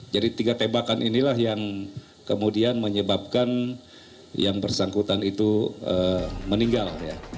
jadi tiga tembakan inilah yang kemudian menyebabkan yang bersangkutan itu meninggal